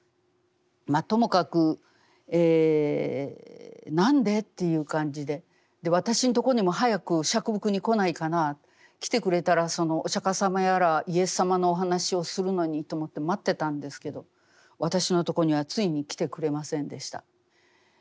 ともかく何で？という感じで私のところにも早く折伏に来ないかな来てくれたらお釈迦様やらイエス様のお話をするのにと思って待ってたんですけど私のところにはついに来てくれませんでした。